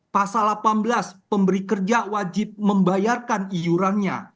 pasal delapan belas pemberi kerja wajib membayarkan iurannya